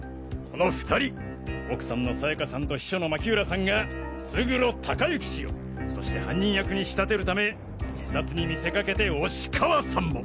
この２人奥さんのさやかさんと秘書の巻浦さんが勝呂隆行氏をそして犯人役に仕立てるため自殺に見せかけて押川さんも。